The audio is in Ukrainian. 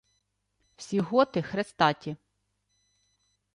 — Всі готи — хрестаті.